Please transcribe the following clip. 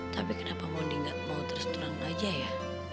tapi kenapa moni gak mau terus terangin aja ya